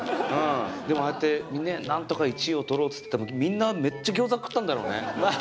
でもああやってみんなでなんとか１位を取ろうっつって多分みんなめっちゃギョーザ食ったんだろうね。